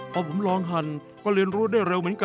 พอผมลองหั่นก็เรียนรู้ได้เร็วเหมือนกัน